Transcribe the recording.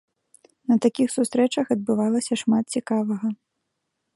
На такіх сустрэчах адбывалася шмат цікавага.